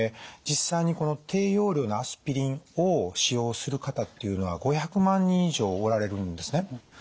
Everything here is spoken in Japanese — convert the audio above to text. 実際に低用量のアスピリンを使用する方っていうのは５００万人以上おられるんですね。